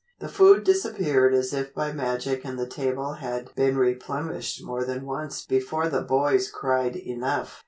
The food disappeared as if by magic and the table had been replenished more than once before the boys cried enough.